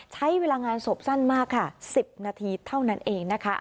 ใช้เวลางานศพสั้นมากค่ะ๑๐นาทีเท่านั้นเองนะคะ